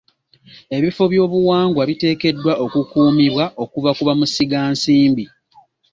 Ebifo by'obuwangwa biteekeddwa okukuumibwa okuva ku bamusigansimbi.